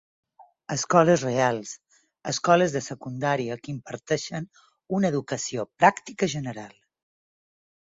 Escoles reals, escoles de secundària que imparteixen una educació pràctica general.